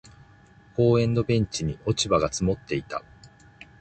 公園のベンチに落ち葉が積もっていた。